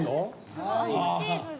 すごいチーズが。